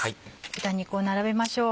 豚肉を並べましょう。